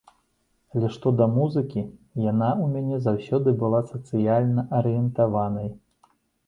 Але што да музыкі, яна ў мяне заўсёды была сацыяльна арыентаванай.